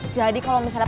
jadi kalau misalnya